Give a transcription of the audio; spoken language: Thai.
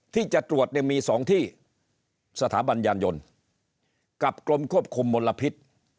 ที่จะตรวจเนี่ยมี๒ที่สถาบันยานยนต์กับกรมควบคุมมลพิษ